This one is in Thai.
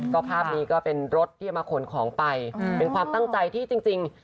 ก็ภาพนี้ก็เป็นรถที่จะมาขนของไปเป็นความตั้งใจที่จริง